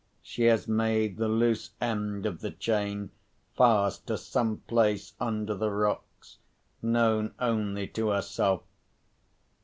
She has made the loose end of the chain fast to some place under the rocks, known only to herself.